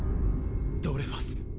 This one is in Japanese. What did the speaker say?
ドレファス。